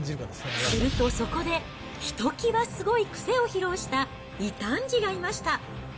するとそこで、ひときわすごい癖を披露した異端児がいました。